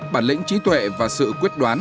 bản lĩnh trí tuệ và sự quyết đoán